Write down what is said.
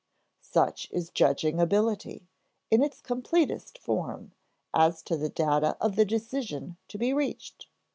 Such is judging ability, in its completest form, as to the data of the decision to be reached.